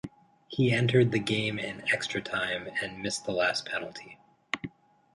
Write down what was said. He entered the game in extra time and missed the last penalty.